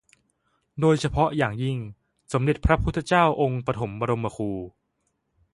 โดยเฉพาะอย่างยิ่ง สมเด็จพระพุทธเจ้าองค์ปฐมบรมครู